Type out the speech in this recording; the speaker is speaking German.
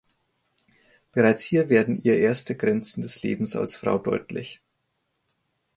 Bereits hier werden ihr erste Grenzen des Lebens als Frau deutlich.